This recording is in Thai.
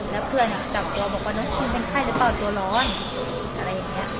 แล้วเพื่อนจับตัวบอกว่าน้องคิมเป็นไข้หรือเปล่าตัวร้อนอะไรอย่างนี้